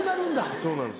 そうなんです